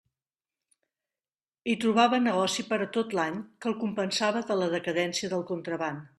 Hi trobava negoci per a tot l'any, que el compensava de la decadència del contraban.